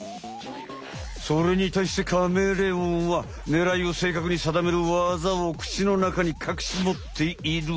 それにたいしてカメレオンはねらいをせいかくにさだめるわざをくちのなかにかくしもっている。